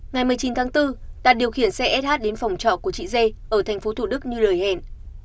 ngày một mươi chín tháng bốn đạt điều khiển xe sh đến phòng trọ của chị dê ở tp thd như lời hẹn